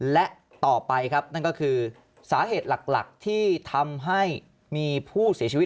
และต่อไปครับนั่นก็คือสาเหตุหลักที่ทำให้มีผู้เสียชีวิต